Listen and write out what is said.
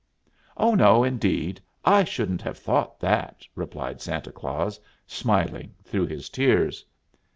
"Oh, no, indeed, I shouldn't have thought that," replied Santa Claus, smiling through his tears.